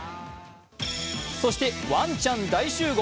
そしてワンちゃん大集合。